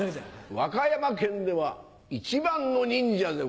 和歌山県では１番の忍者でござる。